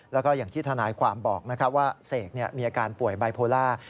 แล้วก็อย่างที่ทนายความบอกว่าเสกมีอาการป่วยไบโพล่า